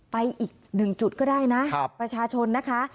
ไปอีกหนึ่งจุดก็ได้นะประชาชนนะคะ